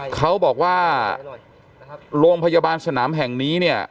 เขาบอกว่าโรงพยาบาลสนามแห่งนี้เนี่ย